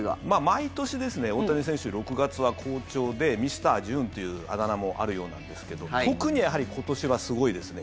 毎年ですね、大谷選手６月は好調でミスター・ジューンというあだ名もあるようなんですけど特に今年はすごいですね。